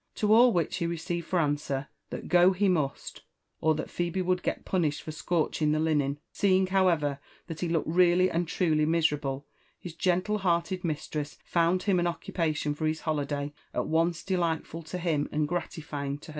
" To all which he received for answer that go he must, or that Phebe would get punished for scorching the linen. See^ ing, however, that he looked really and truly miserable, his gentle hearted mistress found him an occupation for his holiday at once de lightful to him and gratifying to herself.